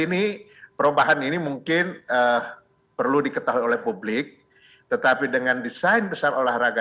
ini perubahan ini mungkin perlu diketahui oleh publik tetapi dengan desain besar olahraga